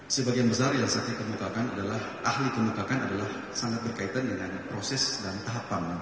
sebagian besar yang saksi kemerdekaan adalah ahli kemerdekaan adalah sangat berkaitan dengan proses dan tahap panggung